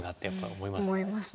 思いますね。